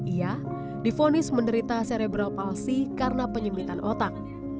ia difonis menderita serebral palsi karena penyembitan otak